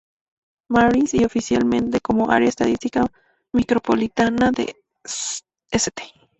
Marys, y oficialmente como Área Estadística Micropolitana de St.